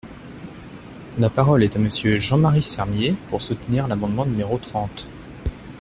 La parole est à Monsieur Jean-Marie Sermier, pour soutenir l’amendement numéro trente.